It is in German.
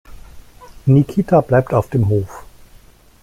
Nikita bleibt auf dem Hof.